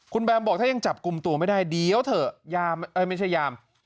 คุณแบมบอกถ้ายังจับกลุ่มตัวไม่ได้เดี๋ยวเถอะยามไม่ใช่ยาม